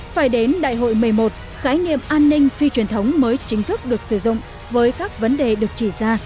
phải đến đại hội một mươi một khái niệm an ninh phi truyền thống mới chính thức được sử dụng với các vấn đề được chỉ ra